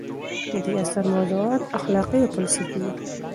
د دې اثر موضوعات اخلاقي او فلسفي دي.